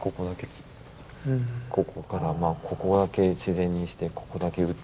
ここからまあここだけ自然にしてここだけ打って。